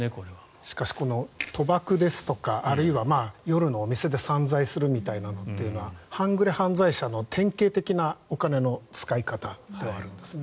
しかしこの賭博ですとかあるいは、夜のお店で散財するみたいなのというのは半グレ犯罪者の典型的なお金の使い方ではあるんですよね。